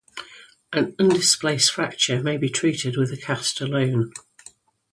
An undisplaced fracture may be treated with a cast alone.